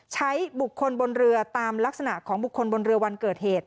ใช้บุคคลบนเรือตามลักษณะของบุคคลบนเรือวันเกิดเหตุ